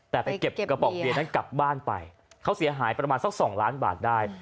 แต่ไปเก็บกระป๋องเบียร์นั้นกลับบ้านไปเขาเสียหายประมาณสัก๒ล้านบาทได้